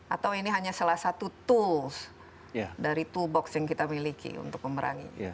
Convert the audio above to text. atau ini hanya salah satu tools dari tool box yang kita miliki untuk memerangi